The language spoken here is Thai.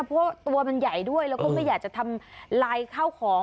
เพราะว่าตัวมันใหญ่ด้วยแล้วก็ไม่อยากจะทำลายข้าวของ